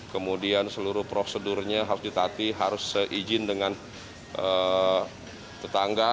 kemudian seluruh prosedurnya harus ditati harus seizin dengan tetangga